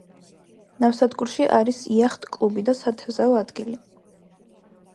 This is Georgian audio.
ნავსადგურში არის იახტ-კლუბი და სათევზაო ადგილი.